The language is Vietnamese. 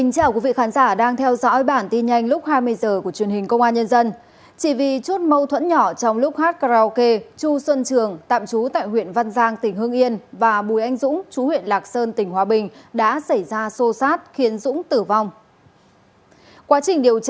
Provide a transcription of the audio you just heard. cảm ơn các bạn đã theo dõi